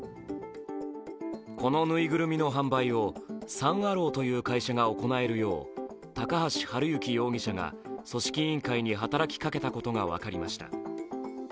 このぬいぐるみの販売をサン・アローという会社が行えるよう高橋治之容疑者が組織委員会に働きかけていたことが分かりました。